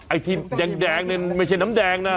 ไอ้ที่แดงนี่ไม่ใช่น้ำแดงนะ